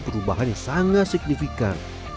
perubahan yang sangat signifikan